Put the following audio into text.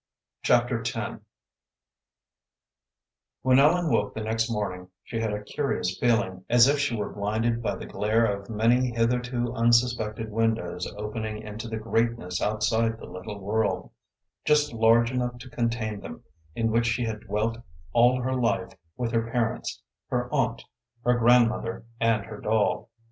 Chapter X When Ellen woke the next morning she had a curious feeling, as if she were blinded by the glare of many hitherto unsuspected windows opening into the greatness outside the little world, just large enough to contain them, in which she had dwelt all her life with her parents, her aunt, her grandmother, and her doll.